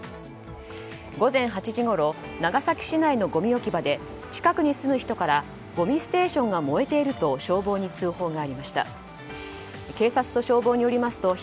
午前８時ごろ長崎市内のごみ置き場で近くに住む人からごみステーションが燃えていると消防に通報がありました。